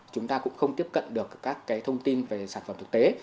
chúng ta cũng không tiếp cận được các thông tin về sản phẩm thực tế